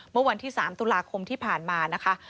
เมื่อวันที่๓ตุลาคมที่ผ่านมานะคะ